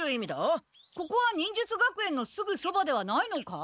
ここは忍術学園のすぐそばではないのか？